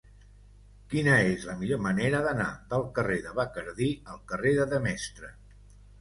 Quina és la millor manera d'anar del carrer de Bacardí al carrer de Demestre?